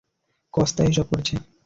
কস্তাই এসব করেছে।